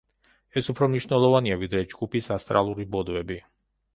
ეს უფრო მნიშვნელოვანია, ვიდრე ჯგუფის ასტრალური ბოდვები.